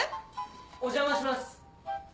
・お邪魔します